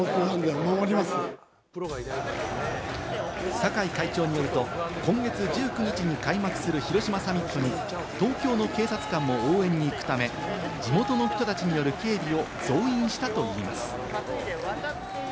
坂井会長によると、今月１９日に開幕する広島サミットに、東京の警察官も応援に行くため、地元の人たちによる警備を増員したといいます。